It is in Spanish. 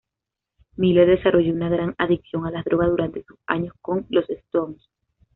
Miller desarrollo una gran adicción a las drogas durante sus años con los Stones.